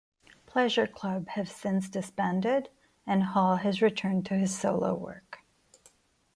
Pleasure Club have since disbanded, and Hall has returned to his solo work.